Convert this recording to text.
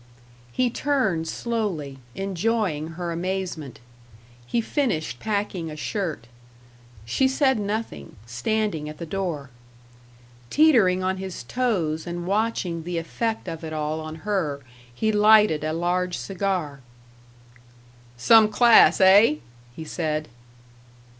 He turned slowly, enjoying her amazement. He finished packing a shirt. She said nothing, standing at the door. Teetering on his toes and watching the effect of it all on her, he lighted a large cigar. "Some class, eh?" he said.